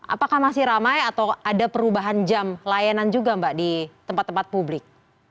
apakah masih ramai atau ada perubahan jam layanan juga mbak di tempat tempat publik